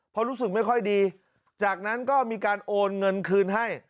เพราะรู้สึกไม่ค่อยดีจากนั้นก็มีการโอนเงินคืนให้